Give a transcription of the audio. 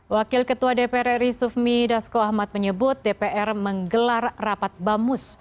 wakil ketua dpr ri sufmi dasko ahmad menyebut dpr menggelar rapat bamus